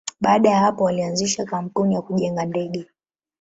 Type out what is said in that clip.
Baada ya hapo, walianzisha kampuni ya kujenga ndege.